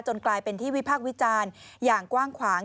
กลายเป็นที่วิพากษ์วิจารณ์อย่างกว้างขวาง